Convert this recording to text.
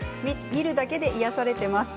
見るだけで癒やされています。